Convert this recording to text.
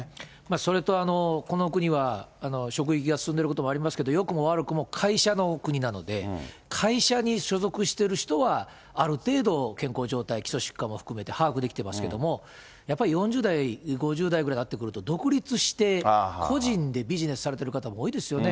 それと、この国は、職域が進んでいることもありますけれども、よくも悪くも会社のお国なので、会社に所属している人は、ある程度、健康状態、基礎疾患も含めて把握できてますけれども、やっぱり４０代、５０代ぐらいになってくると、独立して、個人でビジネスされてる方も多いですよね。